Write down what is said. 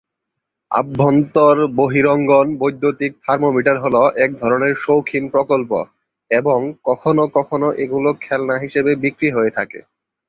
আভ্যন্তর-বহিরঙ্গণ বৈদ্যুতিক থার্মোমিটার হল এক ধরনের শৌখিন প্রকল্প এবং কখনও কখনও এগুলো খেলনা হিসেবে বিক্রি হয়ে থাকে।